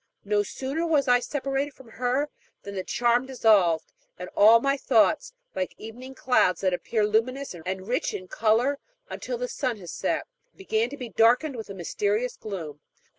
No sooner was I separated from her than the charm dissolved, and all my thoughts, like evening clouds that appear luminous and rich in color until the sun has set, began to be darkened with a mysterious gloom.